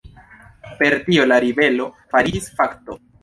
Per tio la ribelo fariĝis fakto.